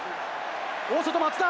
大外、松田！